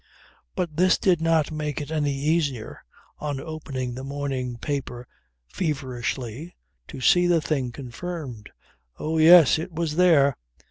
But this did not make it any easier, on opening the morning paper feverishly, to see the thing confirmed. Oh yes! It was there.